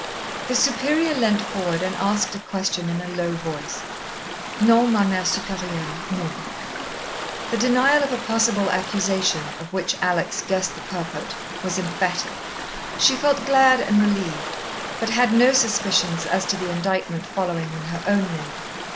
The Superior leant forward and asked a question in a low voice. "Non, ma Mère Supérieure, non." The denial of a possible accusation, of which Alex guessed the purport, was emphatic. She felt glad and relieved, but had no suspicions as to the indictment following on her own name.